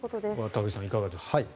高木さん、いかがですか。